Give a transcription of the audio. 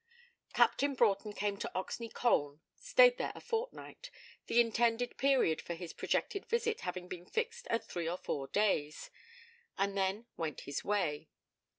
Captain Broughton came to Oxney Colne, stayed there a fortnight the intended period for his projected visit having been fixed at three or four days and then went his way.